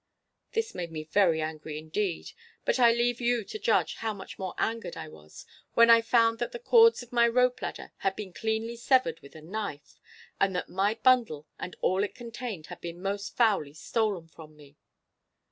This made me very angry indeed, but I leave you to judge how much more angered I was, when I found that the cords of my rope ladder had been cleanly severed with a knife, and that my bundle and all it contained had been most foully stolen from me.